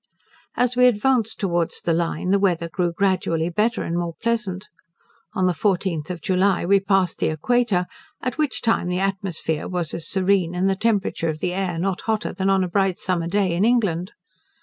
As we advanced towards the Line, the weather grew gradually better and more pleasant. On the 14th of July we passed the Equator, at which time the atmosphere was as serene, and the temperature of the air not hotter than in a bright summer day in England.